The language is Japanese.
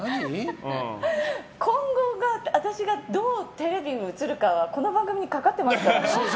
今後、私がどうテレビに映るかこの番組にかかってますからね。